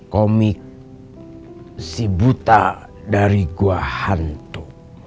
komik si buta dari gua hantu